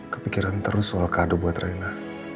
kepikiran terus soal kado buat reina